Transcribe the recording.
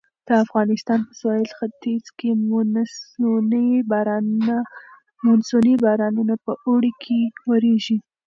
د افغانستان په سویل ختیځ کې مونسوني بارانونه په اوړي کې ورېږي.